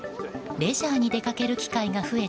レジャーに出かける機会が増えた